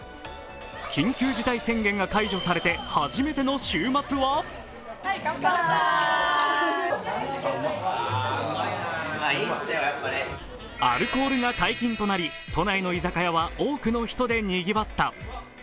緊急事態宣言が解除されて初めての週末はアルコールが解禁となり都内の居酒屋は多くの人でにぎわった。